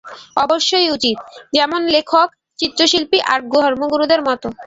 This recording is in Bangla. অবশ্যই উচিৎ, যেমন লেখক, চিত্রশিল্পী আর ধর্মগুরুদের মতো।